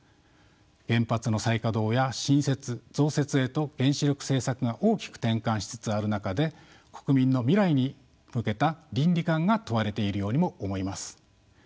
原発の再稼働や新設・増設へと原子力政策が大きく転換しつつある中で国民の未来に向けた倫理観が問われているようにも思います。